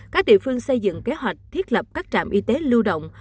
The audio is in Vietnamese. các địa phương xây dựng kế hoạch thiết lập các trạm y tế lưu động